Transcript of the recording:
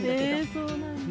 えそうなんだ。